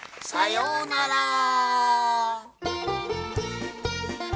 さようなら！